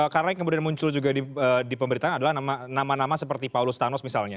karena yang kemudian muncul juga di pemberitahuan adalah nama nama seperti paulus thanos misalnya